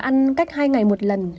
ăn cách hai ngày một lần